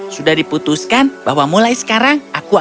sudah diputuskan bahwa mulai sekarang aku akan